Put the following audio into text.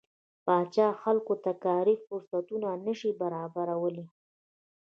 پاچا خلکو ته کاري فرصتونه نشي برابرولى.